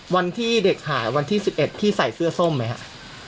วันที่เด็กหายวันที่๑๑พี่ใส่เสื้อส้มไหมครับ